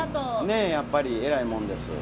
ねえやっぱりえらいもんです。